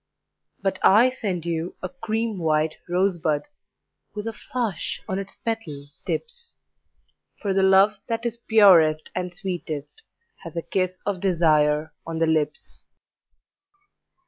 But I send you a cream white rosebud, With a flush on its petal tips; For the love that is purest and sweetest Has a kiss of desire on the lips.